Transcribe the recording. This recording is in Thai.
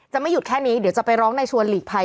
ไม่หยุดแค่นี้เดี๋ยวจะไปร้องในชวนหลีกภัย